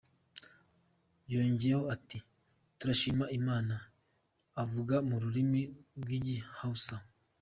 Yongeyeho ati "Turashima Imana,"avuga mu rurimi rw'igi Hausa.